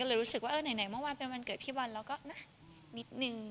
เลยรู้สึกว่าเออไหนเมื่อวานเป็นวันเกิดพี่วันแล้วก็นะนิดนึง